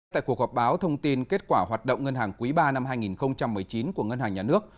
tại cuộc họp báo thông tin kết quả hoạt động ngân hàng quý ba năm hai nghìn một mươi chín của ngân hàng nhà nước